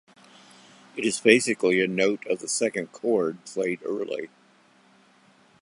It is basically a note of the second chord played early.